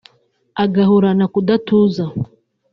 agahorana kudatuza